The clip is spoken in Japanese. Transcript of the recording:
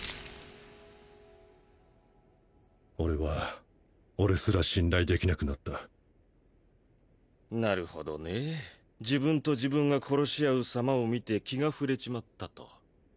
俺は俺すら信頼できなくなったなるほどね自分と自分が殺し合う様を見て気が触れちまったと。